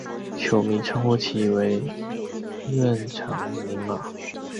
球迷称呼其为孖润肠尼马。